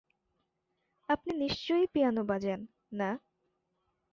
আপনি নিশ্চয়ই পিয়ানো বাজান না?